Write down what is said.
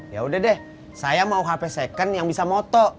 yaudah deh saya mau hp second yang bisa moto